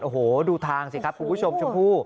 โอ้โหดูทางสิครับคุณผู้ชมชมพู่